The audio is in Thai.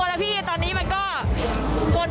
ก็อยากให้มีสัดน้ำนะใจลึกอ่ะ